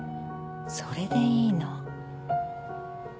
それでいいの。